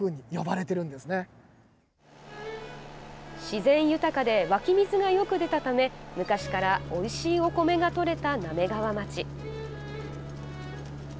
自然豊かで湧き水がよく出たため昔からおいしいお米がとれた滑川町。